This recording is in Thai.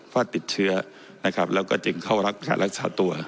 ว่าติดเชื้อนะครับแล้วก็จึงเข้ารักษาตัว